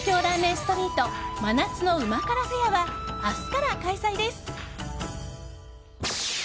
ストリート真夏の旨辛フェアは明日から開催です。